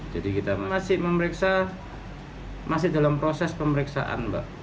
jadi kita masih memeriksa masih dalam proses pemeriksaan mbak